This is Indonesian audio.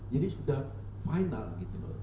jadi sudah final gitu loh